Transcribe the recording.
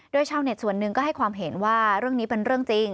โดยชาวเน็ตส่วนหนึ่งก็ให้ความเห็นว่าเรื่องนี้เป็นเรื่องจริง